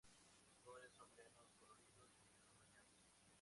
Los jóvenes son menos coloridos y menos rayados.